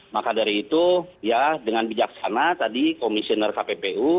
maka dari itu ya dengan bijaksana tadi komisioner kppu